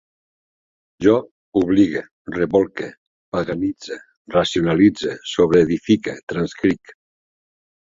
Jo obligue, rebolque, paganitze, racionalitze, sobreedifique, transcric